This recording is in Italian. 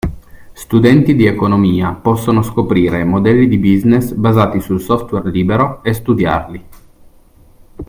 Studenti di economia possono scoprire modelli di business basati sul software libero e studiarli.